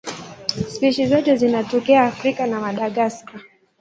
Spishi zote zinatokea Afrika na Madagaska.